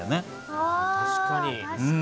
あ確かに。